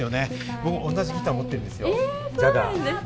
僕、同じギター持ってるんですよ。